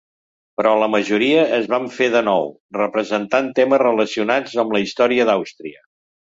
Però la majoria es van fer de nou, representant temes relacionats amb la història d'Àustria.